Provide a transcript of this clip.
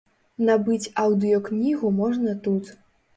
Набыць аўдыёкнігу можна тут.